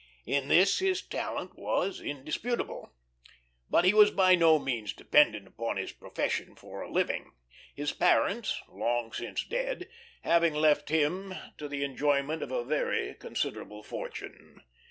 In this, his talent was indisputable. But he was by no means dependent upon his profession for a living, his parents long since dead having left him to the enjoyment of a very considerable fortune.